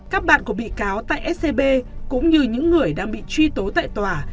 các bạn của bị cáo tại scb cũng như những người đang bị truy tố tại tòa